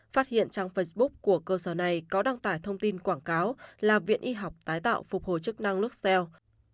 phát hiện trang facebook của cơ sở này có đăng tải thông tin quảng cáo là viện y học tái tạo phục hồi chức năng luxelle